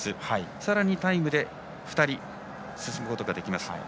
さらにタイムで２人進むことができます。